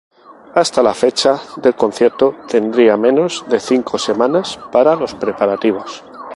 Hasta la fecha del concierto, tendría menos de cinco semanas para los preparativos.